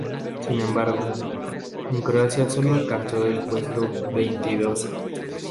Sin embargo, en Croacia solo alcanzó el puesto veintidós.